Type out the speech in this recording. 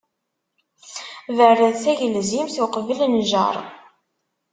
Berred tagelzimt, uqbel nnjeṛ.